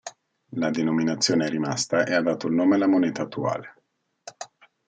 La denominazione è rimasta e ha dato il nome alla moneta attuale.